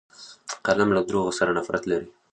قلم له دروغو سره نفرت لري